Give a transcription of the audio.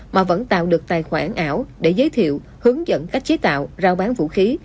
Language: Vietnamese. mà vẫn tạo được tài khoản ảo để giới thiệu hướng dẫn cách chế tạo rao bán vũ khí